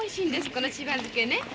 このしば漬けね。